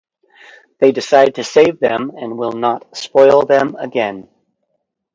They decide to save them and will not spoil them again.